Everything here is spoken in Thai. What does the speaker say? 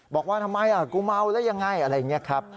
บอกว่าทำไมกูเมาแล้วยังไงอะไรอย่างนี้ครับ